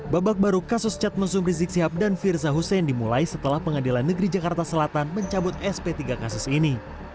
babak baru kasus cat mesum rizik sihab dan firza husein dimulai setelah pengadilan negeri jakarta selatan mencabut sp tiga kasus ini